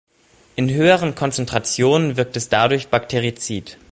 In höheren Konzentrationen wirkt es dadurch bakterizid.